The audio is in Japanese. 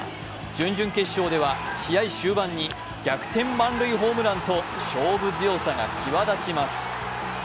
準々決勝では試合中盤に逆転満塁ホームランと勝負強さが際立ちます。